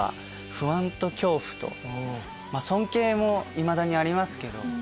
いまだにありますけど。